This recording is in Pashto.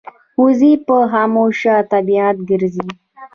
وزې په خاموش طبیعت ګرځي